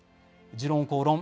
「時論公論」